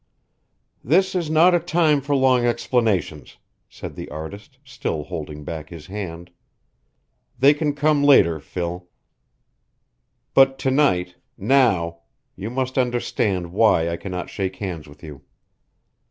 "This is not a time for long explanations," said the artist, still holding back his hand. "They can come later, Phil. But to night now you must understand why I cannot shake hands with you.